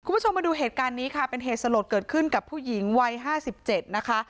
คุณผู้ชมมาดูเหตุการณ์นี้ค่ะเป็นเหตุสลดเกิดขึ้นกับผู้หญิงวัย๕๗นะคะ